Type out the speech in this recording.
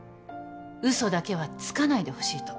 嘘だけはつかないでほしいと。